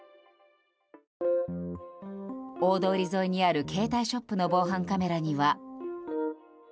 大通り沿いにある携帯ショップの防犯カメラには。